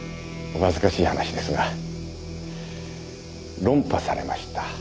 お恥ずかしい話ですが論破されました。